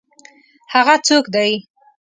هغه څوک دی؟